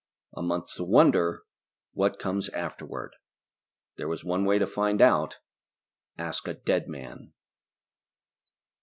A month to wonder, what comes afterward? There was one way to find out ask a dead man!